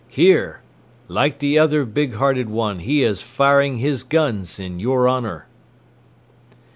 Hear! Like the other big hearted one he is firing his guns in your honor."